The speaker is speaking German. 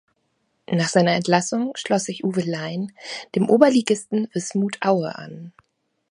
Nach seiner Entlassung schloss sich Uwe Lein dem Oberligisten Wismut Aue an.